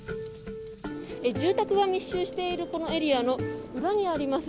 住宅が密集しているこのエリアの裏にあります